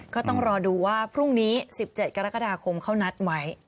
ก็ต้องรอดูว่าพรุ่งนี้๑๗กรกฎาคมเขานัดไว้